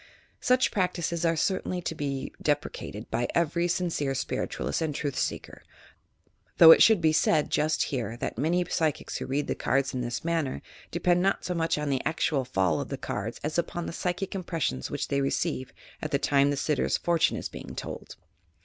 Such practices are certainly to be deprecated by every sincere spiritualist and truth seeker, though it should he said, just here, that many r PROPHECY VS. FORTUNE TELLING 277 p^chics who read the cards in this manner, depend not so much on the actual fall of the cards as upon the psychic impressions which they receive at the time the sitter's fortune is being told.